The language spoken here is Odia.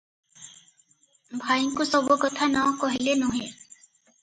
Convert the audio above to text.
ଭାଇଙ୍କୁ ସବୁ କଥା ନ କହିଲେ ନୁହେ ।